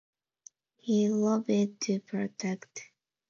He lobbied to protect navigation between the Mississippi and the Great Lakes.